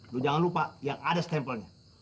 loh jangan lupa yang ada stempelnya